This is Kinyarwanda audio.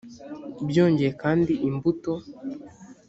byongeye kandi imbuto